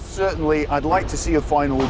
saya ingin melihat penampilan antara